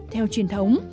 theo truyền thống